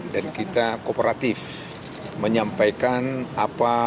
dan kita kooperatif menyampaikan apa